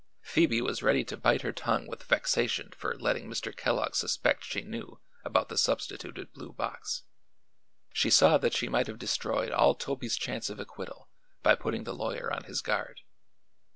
Phoebe was ready to bite her tongue with vexation for letting Mr. Kellogg suspect she knew about the substituted blue box. She saw that she might have destroyed all Toby's chance of acquittal by putting the lawyer on his guard.